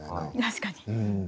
確かに。